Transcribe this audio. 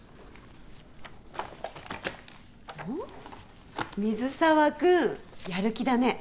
おっ水沢君やる気だね。